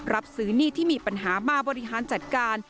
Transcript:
รับซื้อหนี้ที่มีปัญหามาบริหารจัดการ